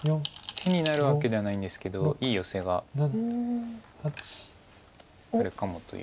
手になるわけではないんですけどいいヨセがあるかもという。